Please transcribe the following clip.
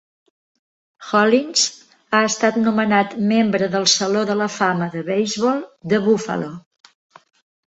Hollins ha estat nomenat membre del saló de la fama de beisbol de Buffalo.